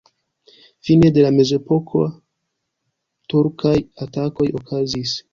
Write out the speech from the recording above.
Fine de la mezepoko turkaj atakoj okazis.